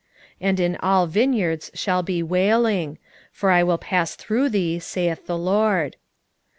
5:17 And in all vineyards shall be wailing: for I will pass through thee, saith the LORD.